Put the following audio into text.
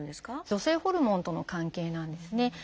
女性ホルモンとの関係なんですね。